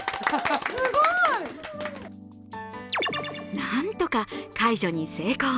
何とか解除に成功。